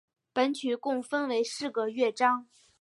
本曲共分为四个乐章。